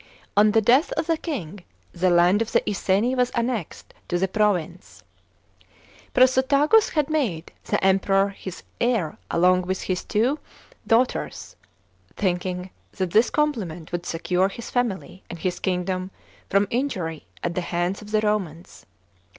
On the de>ith of the king the land of the Iceni was annexed to the province. Prasutagus had made the Emperor his heir along with his two 268 THE CONQUEST OF BRITAIN. CHAP. xvi. daughters, thinking that this compliment would secure his fanily and his kingdom from injury at the hands of the Romans.